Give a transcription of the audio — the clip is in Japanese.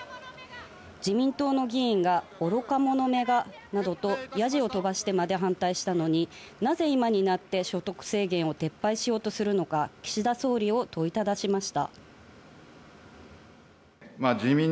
自民党の議員が「愚か者めが」などとヤジを飛ばしてまで反対したのになぜ今になって所得制限を撤廃しようとするのか岸田総理を問いただしました。